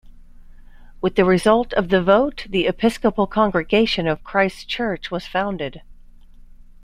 With the result of the vote, the Episcopal congregation of Christ's Church was founded.